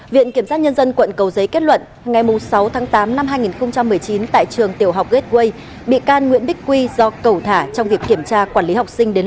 viện kiểm sát nhân dân quận cầu giấy kết luận ngày sáu tháng tám năm hai nghìn một mươi chín tại trường tiểu học gateway bị can nguyễn bích quy do cầu thả trong việc kiểm tra quản lý học sinh đến trường